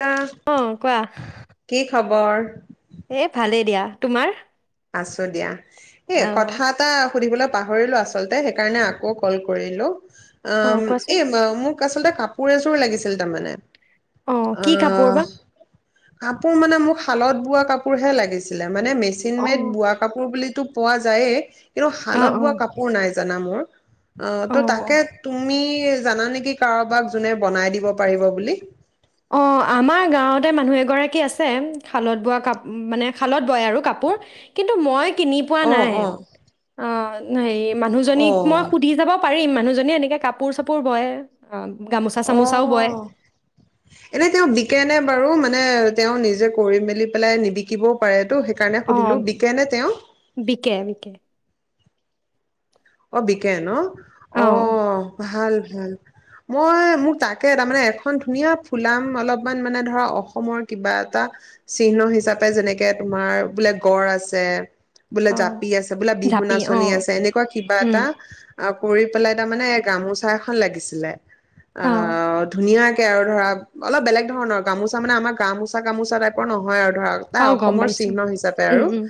কি অ', কোৱা। খবৰ এ, ভালেই দিয়া, তোমাৰ? আছো দিয়া। এ' কথা এটা সুধিবলৈ পাহৰিলোঁ আচলতে সেইকাৰণে আকৌ ক'ল কৰিলো। অ', এ ম মোক আচলতে কাপোৰ এযোৰ লাগিছিল তাৰমানে। অ কি কাপোৰ অ'। বা কাপোৰ মানে মোক শালত বোৱা কাপোৰ হে লাগিছিলে মানে মে অ চিনমেড বোৱা কাপোৰ বুলিটো পোৱা যায়েই। কিন্তু অ শালত বোৱা কাপোৰ নাই জানা মোৰ। অ', ত' তাকে তুমি জানা নেকি কাৰোবাক যোনে বনাই দিব পাৰিব বুলি? অ', আমাৰ গাঁৱতে মানুহ এগৰাকী আছে শালত বোৱা কাপ মানে শালত বয় আৰু কাপোৰ কিন্তু মই কিনি পোৱা অ নাই, অ অ'। নাই। মানুহজনীক মই সুধি চাব পাৰিম মানুহ জনীয়ে এনেকৈ কাপোৰ চাপোৰ বয়। গামোচা চামোচাও বয়। এনেই তেওঁ বিকেনে বাৰু মানে তেওঁ নিজে কৰি মেলি পেলাই নিবকিবও পাৰে। টো সেইকাৰণে অ সুধিলো, বিকে নে তেওঁ? বিকে বিকে অ, বিকে ন? অ', ভাল। ভাল মই মোক তাকে তাৰমানে এখন ধুনীয়া ফুলাম অলপমান মানে ধৰা অসমৰ কিবা এটা চিহ্ন হিচাপে যেনেকে তোমাৰ বোলে গড় আছে। বোলে অ জাপি আছে বোলে বিহু জাপি অ নাচনি আছে এনেকুৱা কিবা উম এটা। অ', কৰি পেলাই তাৰমানে গামোচা এখন লাগিছিলে অ', ধুনীয়াকে আৰু ধৰা অলপ বেলেগ ধৰণৰ গামোচা মানে আমাৰ গা মোচা গামোচা টাইপৰ নহয় আৰু। ধৰক তা অ গম অসমৰ পাইছো চিহ্ন হিচাপে উম আৰু অ'। উম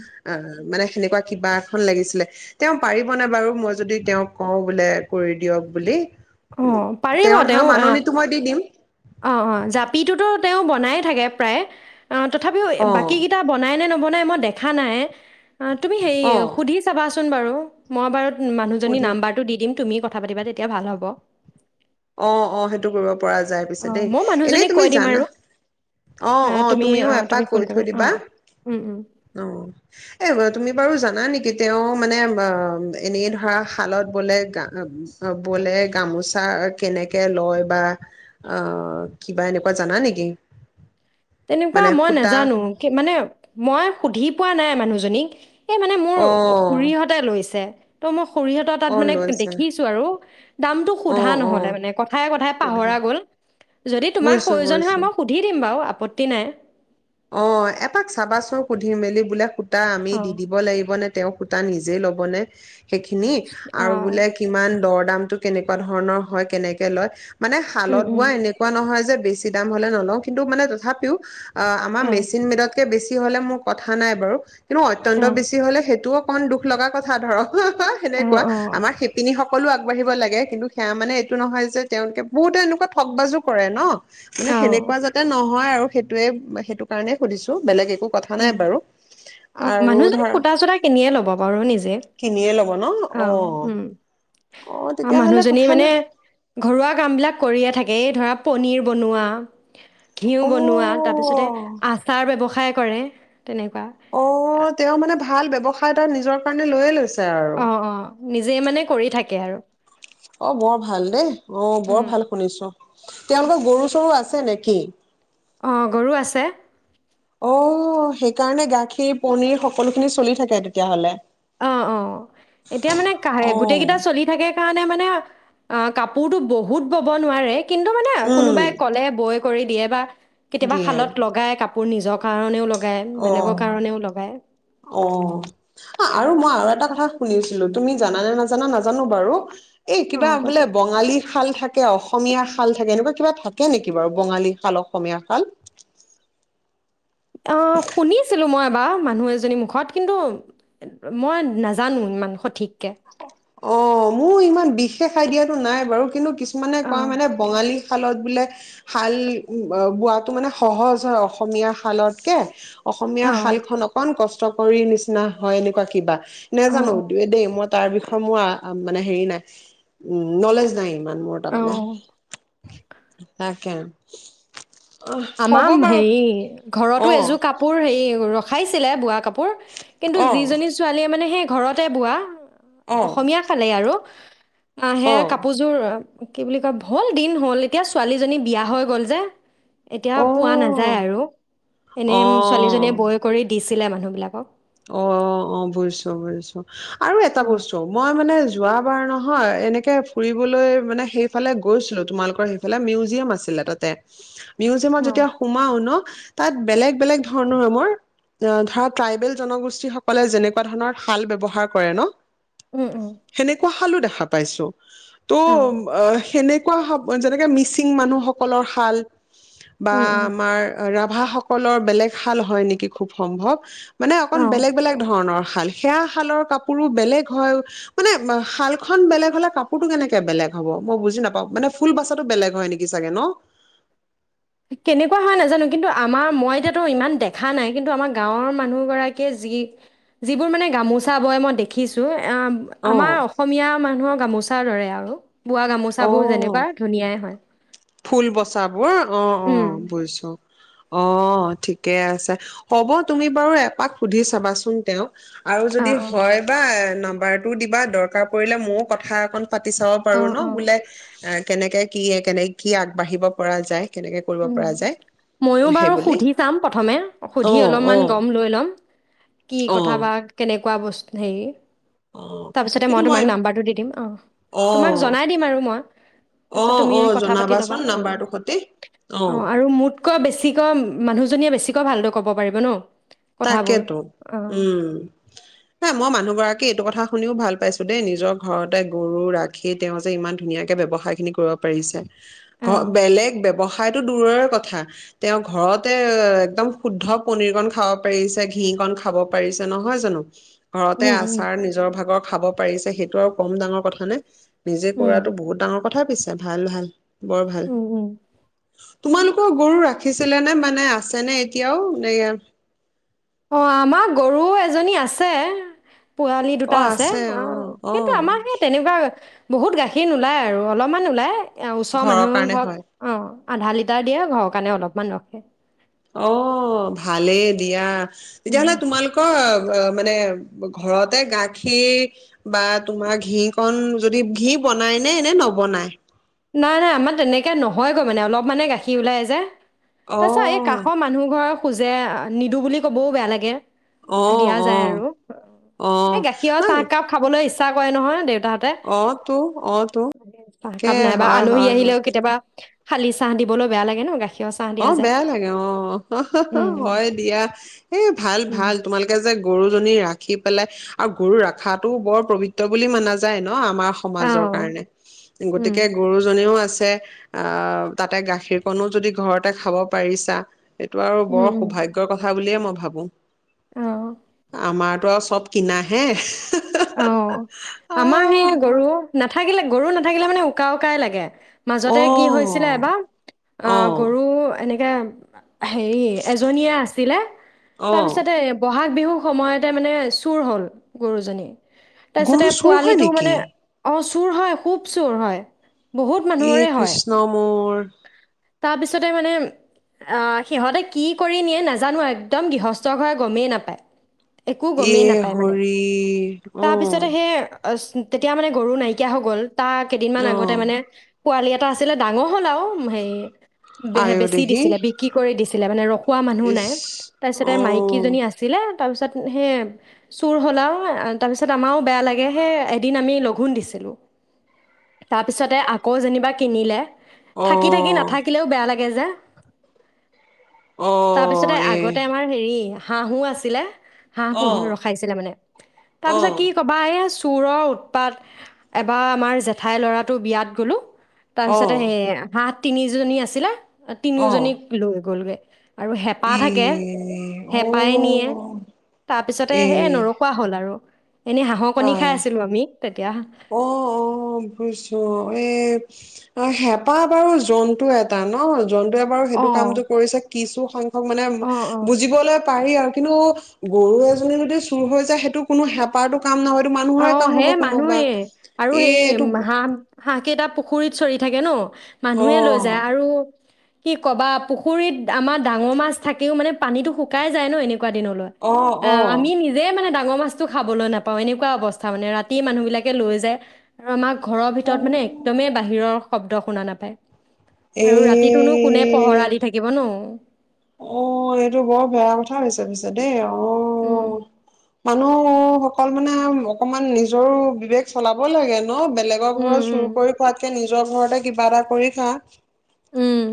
মানে সেনেকুৱা কিবা এখন লাগিছিলে। তেওঁ পাৰি পোৱা নাই বাৰু মই যদি তেওঁক কওঁ বোলে কৰি দিয়ক বুলি। অ পাৰিব তেওঁৰ ধৰা তেওঁ আহ মাননিটো মই দি দিম অ অ জাপিটোতো তেওঁ বনাই থাকে প্ৰায়। অ', তথাপিও এ, অ বাকী কেইটা বনাই নে নবনা নাই মই দেখা নাইয়েই অ তুমি সেই অ সুধি চাবা চ চোন বাৰু মই বাৰু মানুহজনীৰ সুধিম নাম্বাৰটো দি দিম তুমি ক কথা পাতিবা দেই তেওঁ ভাল হ'ব। অ অ সেইটো কৰিব পৰা যায় পিছে অঁ দেই মই এনেই মানুহজনীক তুমি কৈ দিম জানা। আৰু অ অ তুমি তুমিও অঁ এপাক তুমি ফোন কৈ কৰিবা থৈ দিবা। অঁ অ এ তুমি বাৰু জা না নেকি তেওঁ মানে অম এনেই ধৰা শালত বোলে গাম বোলে গামোচা কেনেকে লয় বা অ কিবা এনেকুৱা জানা নেকি। তেনেকুৱা মানে মই সূতা নাজানো কে মানে মই সুধি পোৱা নাই। মানুহজনীক এই মানে মোৰ অ খুুৰীহতে লৈছে। তো মখ খুৰীহতৰ তাত অ মানে কে লৈছা দেখিছোঁ আৰু দামটো অ সুধা অ নহ'লে মানে কথাই-কথাই পাহৰা বুজিছো গ'ল যদি তোমাক প্ৰয়োজন হয় বুজিছো ম‌ই সুধি দিম বাৰু আপ টিনায়ে অ এপাক চাবাচোন সুধি-মেলি বোলে সু তা আমি অ দি দিব লাগিব নে? তেওঁ সূতা নিজেই ল'ব নে? সেইখিনি অ আৰু বোলে কিমান দৰ দামটো কেনেকুৱা ধৰণৰ হয় কেনেকে লয়। মানে উম শালত উম বোৱা এনেকুৱা নহয় যে বেছি দাম হ'লে নলয়, কিন্তু মানে তথাপিও অ আমাৰ মেচিন মেদত তকে বেছি হ'লে, মোৰ কথা নাই বাৰু কিন্তু অ অত্যন্ত বেছি হ'লে সেইটো অক কণ দুখ লগা কথা ধৰক। অহ হ অ সেনেকুৱা আমাৰ শিপিনী সক সকলো আগবাঢ়িব লাগে। কিন্তু সেয়া মানে এইটো নহয় যে তেওঁলোকে বহুতো এনেকুৱা ঠগ বাজু কৰে ন মানে অ অ সেনেকুৱা যাতে নহয় আৰু সেটো ৱেব উম সেইটো কাৰণে সুধিছো বেলেগ এক অ', অ', মানুহজনীক ধৰা কুৰ্তা চুৰ্তা কিনিয়ে ল'ব বাৰু নিজে। ন' ন' অ'। অ আ তেতিয়াহ'লে মানুহজনীয়ে কথা মানে নাই ঘৰুৱা কাম বিলাক কৰিয়ে থাকে এই ধৰা। পনীৰ বনোৱা। ঘিঁউ অ বনোৱা তাৰপিছতে আচাৰ ব্যৱসায় সহায় কৰে। তেনেকুৱা অ আ তেওঁ মানে ভাল ব্যৱসায় এটা নিজৰ কাৰণে লৈয়ে লৈছে আৰু অ', অ', নিজেই মানে কৰি থাকে আৰু। অ', বৰ ভাল দেই অ', বৰ ভাল শুনিছো তোমালোকৰ গৰু চৰু আছে নেক কি? অ গৰু আছে। অ', সেইকাৰণে গাখীৰ পনিৰ সকলোখিনি চলি থাকে তেতিয়াহ'লে। অ অ। এতিয়া মানে কা অ গোটেই কেইটা চলি থাকে কাৰণে মানে মানে আ কাপোৰতো বহুত বব নোৱাৰে। কিন্তু মানে কোনোবাই উম ক'লে বৈ কৰি দিয়ে বা কেতিয়াবা দিয়ে শালত লগায় কাপ মোৰ নিজৰ কাৰণেও লগ অ অ আৰু মই। আৰু এটা কথা শুনিছিলো তুমি জানা নে নাজানা নাজানো বাৰু। এই অঁ কিবা বোলে কোৱাচোন বঙালী শাল থাকে অসম অসমীয়া শাল থাকে, এনেকুৱা কিবা থাকে নেকি বাৰু বঙালী শাল অসমীয়া শাল? অ শুনিছিলো মই এবাৰ মানুহ এজনীৰ মুখত কিন্তু মই নাজানো ইমান সঠিক। অ', মোৰ ইমান বিষ। খাই দিয়াতো নাই বাৰু, কিন্তু কিছ মানে কয় অঁ মানে বঙালী শালত বোলে শাল বোৱাটো মানে সহজ হয় অসমীয়া শালতকে। অসমীয়া অঁ শালখন অকন কষ্ট ৰিৰ নিচিনা হয় এনেকুৱা কিবা। অ নেজানো অ দে দেই মই তাৰ বিষয়ে মোৰ আ মানে হেৰি নাই উ নলেজ নাই ইমান ম'হ অ তামানে, তাকে। অ হ'ব আমাম বাৰু হেৰি, অ গৰতো এজোৰ কপোৰ হেৰি ৰ খাইছিলে বোৱা কাপো বোৰ, কিন্তু অ যিজনী ছোৱালীয়ে মানে সেই ঘৰতে বোৱা আ, অ অসমীয়া খালেই আৰু অ', সেয়া কাপোৰযোৰ আ কি বুলি কয় ভল দিন হ'ল, এতিয়া ছোৱালীজনী বিয়া হৈ গ'ল যে। এতিয়া অ পোৱা নাযায় আৰু অ এনেই ছোৱালীজনীয়ে বৈ কৰি দিছ ছিলে মানুহবিলাকক। অ', অ', অ', বুজিছোঁ, বুজিছোঁ। আৰু এটা উম বস্তু, মই মানে যো যোৱাবাৰ নহয় এনেকে ফুৰিবলৈ মানে সেইফালে গৈছিলো তোমালোকৰ সেইফালে, মিউজিয়াম আছিলে তাতে। মিউজিয়ামত অ যেতিয়া সোমাও ন তাত বেলেগ বেলেগ ধৰণৰ আমৰ ধৰা ট্ৰাইবেল জনগোষ্ঠীসকলে যেনেকুৱা ধৰণৰ শাল ব্যৱহাৰ কৰে ন? উম, উম। সেনেকুৱা শালো দেখা পাইছোঁ। ত' অ আ, সেনে কুৱা সপ যেনেকে মিচিং মানুহসকলৰ শাল। বা উম উম আমাৰ ৰা ভা সকলৰ বেলেগ শাল হয় নেকি খুব সম্ভৱ। মানে অকন অ বেলেগ বেলেগ ধৰণৰ। শাল, সেয়া শালৰ কাপোৰো বেলেগ হয়, মানে শালখন বেলেগ হ'লে কাপোৰটো কেনেকে বেলেগ হ'ব মই বুজি নাপাওঁ, মানে ফুল বাচাটো বেলেগ হয় নেকি চাগে ন? কেনেকুৱা হয় নাজানো, কিন্তু আমাৰ মই যিহেতু ইমান দেখা নাই, কিন্তু আমাৰ গাঁৱৰ মানুহ গৰাকীয়ে যি, যিবোৰ মানে গামোচা বয় মই দেখিছোঁ অ', অ আমাৰ অসমীয়া মানুহৰ গামোচাৰ দৰে আ আৰু বোৱা গামোচাবোৰ অ যেনেকুৱা ধুনীয়াই হয়। ফুল বচাবোৰ। অ', উম অ', বুজিছোঁ। অ', ঠিকেই আছে, হ'ব তুমি বাৰু এপাক সুধি চাবাচোন তেওঁক। আৰু অ যদি অ হয় বা নাম্বাৰটো দিবা, দৰকাৰ পৰিলে মইও কথা অকন পাতি চাব অ পাৰোঁ অ ন', বোলে অ', কেনেকে কি এ কেনে কি আগবাঢ়িব পৰা যায়! কেনেকে কৰিব উম, পৰা যায় ময়ো সেই বাৰু বুলি সুধি চাম প্ৰথমে অ সুধি অ অলপমান গম লৈ লম কি অ কথা বা কেনেকে কোৱা বচ হেৰি অ তাৰপিছতে মই তোমাক নাম্বাৰটো দি দিম, অ', অ তোমাক জনাই দিম আৰু মই অ তাৰপিছত তুমি অ কথা পাতি ল'বা, জনাবাচোন অ'। নাম্বাৰটোৰ সতি অ', আৰু মোতকৈ বেছি কৈ মানুহজনীয়ে বেছিক কৈ ভালদ ক'ব পাৰিব ন'। কথাবোৰ তাকেতো, অ উম, নাই মই মানুহ মানুহ গৰাকী এইটো কথা শুনিও ভাল পাইছো দেই, নিজৰ ঘৰতে গৰু ৰাখি তেওঁ যে ইমান ধুনীয়াকে ব্যৱসায় খিনি কৰিব পাৰিছে। ঘ অ বেলেগ ব্যৱসায়টো দূৰৰে কথা তেওঁ ঘৰতে একদম শুদ্ধ পনীৰকন খাব পাৰিছে ঘীকন খাব পাৰিছে, নহয় জানো! ঘৰতে উম উম আচাৰ নিজৰ ভাগৰ খাব পাৰিছে সেইটো আৰু কম ডাঙৰ কথা নে? নিজে উম কৰাতো বহুত ডাঙৰ কথা পিছে ভাল ভাল। বৰ ভাল। উম উম তোমালোকৰ গৰু ৰাখিছিলা নে? মানে আছে নে এতিয়াও, এইয়া অ', আমাৰ গৰু এজনী আছে। পোৱালি অ দুটা আছে, আ অ অ কিন্তু আমাৰ হেই তেনেকুৱা বহুত গাখীৰ নোলায় আৰু অলপ ইমান নোলায়? এয়া ওচৰৰ ঘৰৰ মানুহ কাৰণে হ'ক হয় অ আধা লিটাৰ দিয়ে ঘৰৰ কাৰণে অলপমান ৰখে। অঁ ভালেই দিয়া। তেতিয়াহ'লে উম। তোমালোকৰ মানে ঘৰতে গাখীৰ বা তোমাৰ ঘীকন যদি, ঘী বনাই নে এনে নবনায়? নাই, নাই আমাৰ তেনেকে নহয়গৈ মানে অলপ মানে গাখীৰ ওলাই যে। তাৰ পিছত এই অ' কাষৰ মানুহ ঘৰৰ খোজে নিদো বুলি ক'বও বেয়া লাগে। অ' দিয়া যায় অ' আৰু এই অ' গাখীৰ ন চাহ একাপ খাবলৈ ইচ্ছ তা কয় নহয় দে অ', তো অ', তো। একাপ নাইবা হয় আলহী হয় হয়। আহিলেও কেতিয়াবা খালি চাহ দিবলৈ বেয়া লাগে ন', গাখ অ', বেয়া লাগে অ', হা হা হা উম হয় দিয়া এই ভাল উম ভাল তোমালোকে যে গৰুজনী ৰাখি পেলাই আৰু গৰু ৰাখাতটো বৰ পৱিত্ৰ বুলি মানা যায় ন? অ', আমাৰ অ সমাজৰ কাৰণে, উম গতিকে গৰুজনীও আছে অ', তাতে গাখীৰকণো যদি ঘৰত তে খাব পাৰিছা। এইটো আৰু উম বৰ উম সৌভাগ্যৰ কথা বুলিয়ে মই ভাবো। অ'। আমাৰতো আৰু চব কিনাহে, হা হা। অ', আমাৰ সেইয়া গৰু নাথাকিলে গৰু নাথাকিলে মানে উকা উকাই লাগে। অ মাজতে কি হৈছিলে এবাৰ, অ', গৰু এনে [inaudible] হেৰি এজনীয়ে আছিলে, অ তাৰ পিছতে বহাগ বিহু সময়তে মানে চোৰ হ'ল গৰু জনী। গৰু তাৰপিছতে চোৰ হয় পোৱালিটো নেকি মানে, অ স্কু চোৰ হয়, খুব চোৰ হয়। বহুত মানুহৰে ই হয় কৃষ্ণ মোৰ। উ তাৰপিছতে মানে, আঁ সিহঁতে কি কৰি নিয়ে নাজানো আৰু একদম গৃহস্থ ঘৰে গমেই নাপায়। একো গমেই ইয়ে নাপায় মানে হৰি অঁ তাৰপিছতে সেই তেতিয়া মানে গৰু নাইকিয়া হৈ গ'ল। তাৰ কেইদিনমান অ আগতে মানে পোৱালি এটা আছিলে, ডাঙৰ হ'ল আও উম হেই বে- বেছি আয়দেহি দিছিলে, বিক্ৰী কৰি দিছিলে। ইলেভে নেৰো কোৱা মানুহ ইচ নাই, তাৰ পিছতে অ মাইকীজনী আছিলে। তাৰপিছত সেই চোৰ হ'ল আও তাৰপিছত আমাৰো বেয়া লাগে, সেই এদিন আমি লঘোণ দিছিলোঁ, তাৰপিছতে আকৌ যেনিবা কিনিলে। অ থাকি থাকি নাথাকিলেও বেয়া লাগে। গেজা অ তাৰপিছতে, এ আগতে আমাৰ হেৰি হাঁহো আছিলে, হাঁহ অ পুহিম ৰখাইছিলে মানে, তাৰ অ পিছত কি কবা এয়া চো চোৰৰ উৎপাত এবাৰ আমাৰ জেঠাই ল'ৰাটো বিয়াত গ'লোঁ অ তাৰপিছতে সেইয়া তাত তিনিজনী আছিলে। অ তিনিওজনীক লৈ গ'লগৈ। আৰু হেঁপা ই থাকে, ঔ হেঁপাই নিয়ে, তাৰপিছতে এ সেয়ে নৰখোৱা হ'ল আৰু। এনে হাঁহৰ কণী খাই আই আছিলো আমি। তেতিয়া অ', অ', বুইছো অ', এ অ', হেঁপাহ বাৰু জন্তু এটা ন? জন্তুৱে বাৰু সেইটো অঁ কামটো কৰিছে কিছু সং খক মানে অঁ অঁ বুজিবলৈ পাৰি আৰু, কিন্তু গৰু এজনী যদি চুৰ হৈ যায়, সেইটো কোনো হেঁপাৰতো কাম [unintelligible] অ মানুহৰে কাম হে হ'ব কোনোবা মানুহে আৰু এই সেই এইটো হাঁহ, হাঁহকেইটা পুখুৰীত চৰি থাকে ন? অ মানুহে লৈ যায় আৰু কি ক'বা, পুখুৰীত আমাৰ ডাঙৰ মাছ থাকেও, মানে পানীতো শুকাই যায় ন‌ এনে কুৱা দিনলৈ। অ আ অ আমি নিজেই মানে ডা [unintelligible] মাছটো খাবলৈ নাপাওঁ এনেকুৱা অৱস্থা মানে, ৰাতি মানুহ বিলাকে লৈ যায়, আৰু আমাক ঘৰৰ অ ভিতৰত মানে একদমেই বাহিৰৰ শব্দ শুনা নাপায়। আৰু ৰাতিটো নো কোনে পহৰা এ দি থাকিব ন? অ', এইটো বৰ বেয়া কথা হৈছে পিছে দেই, অ' উম। নুহ সকলমানে‌ আও, অকণমান নিজৰো বিবেক চলাব লাগে ন বেলেগৰ উম ঘৰৰ চুৰ উম কৰি খোৱাতকে নিজ নিজৰ ঘৰতে কিবা এটা কৰি খা উম।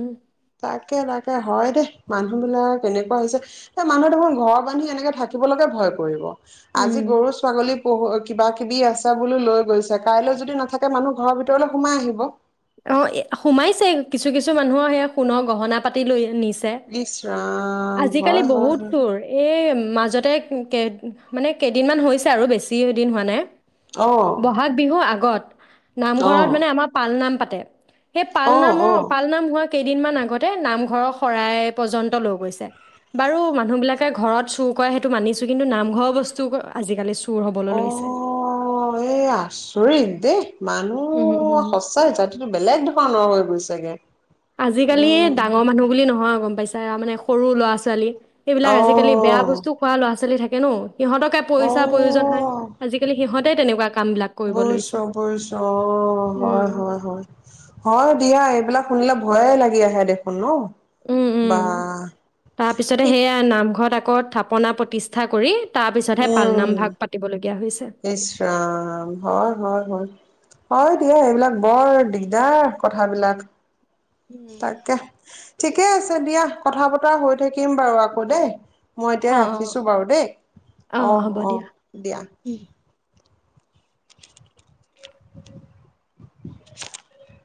তাকে তাকে হয় দেই মানুহ বিলাক কেনেকুৱা হৈছে এ মানুহ দেখোন ঘৰ বান্ধি এনেকে থাকিবলৈকে ভয় কৰিব আজি উম গৰু, ছাগলীক [unintelligible] কিবা কিবি আছে বুলো লৈ গৈছে। কাইলৈ যদি নাথাকে, মানুহ ঘৰৰ ভিতৰলৈ সোমাই আহিব। অ', এ সোমাইছেই, কিছু-কিছু মানুহৰ সেয়া সোণৰ গহনা-পাতি লৈ নিছ ছে। ইচ ৰাম আজিকালি হয় হয় বহুত হয় পুৰ। এ মাজতে, কে মানে কেইদিনমান হৈছে আৰু, বেছি দিন হোৱা নাই। অ', বহাগ বিহু আগ গত। নামঘৰত অ', মানে আমাৰ পাল নাম পাত। তে। সেই অ', পালনামৰ, অ'। পালনাম হোৱা কেইদিনমান আগতে নামঘৰৰ শৰাই পৰ্যন্ত লৈ গৈছে। বাৰু মানুহ বিলাকে ঘৰত চুৰ কৰে সেইটো মানিছো, কিন্তু নামঘৰৰ বস্তু আজিকালি চু অ', এই আচৰিত। দেই। উম উম মানুহ উম। সঁচাই জাতিটো বেলেগ ধৰণৰ হৈ গৈছেগে। আজিিকালি উম, ডাঙৰ মানুহ বুলি নহয় গম পাইছ তাৰমানে সৰু ল'ৰা ছোৱালী। সেইবিলাক আজিকালি বেয়া অ'। বস্তু খোৱা ল'ৰা ছোৱালী থাকে [unintelligible] অ পইচা প্ৰয়োজন হয় আজিকালি সিহঁতে তেনেকুৱা কাম বিলাক কৰিব লৈছে বুইছো বুইছো অ উম হয় হয় হয়, হয় দিয়া এইবিলাক শুনিলে। ভয়ে লাগি আহে দেখোন ন। উ উ, বা তাৰপিছতে ঠিক সেইয়া নামঘৰত আক। কত থাপনা প্ৰতিষ্ঠা কৰি। তাৰ পিছতহে উ, পালনাম ভাগ পাতিবলগীয়া হৈছে ইচ ৰাম, হয় হয় হয়। হয় দিয়া এইবিলাক বৰ দিগদাৰ কথাবিলাক। উম। তাকে। ঠিকে আছে দিয়া কথা বতৰা হৈ থাকিম বাৰু আকৌ দেই। মই এতিয়া অ অ ৰাখিছো বাৰু দেই, অ হ'ব অ দিয়া দিয়া। উম। [inaudible]